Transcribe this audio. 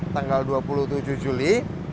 tanggal dua puluh tujuh juli